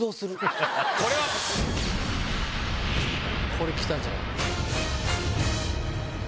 これ来たんじゃない？